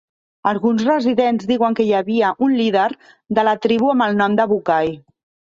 Alguns residents diuen que hi havia un líder de la tribu amb el nom de Bucay.